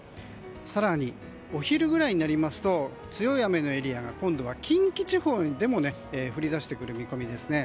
更にお昼ぐらいになりますと強い雨のエリアが今度は近畿地方でも降り出してくる見込みですね。